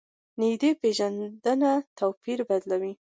نږدې پېژندنه توپیر بدلوي.